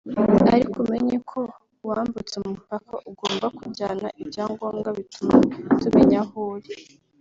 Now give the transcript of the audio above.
ariko umenye ko wambutse umupaka ugomba kujyana ibyangombwa bituma tumenya aho uri